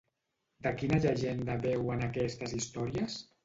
De quina llegenda beuen aquestes històries?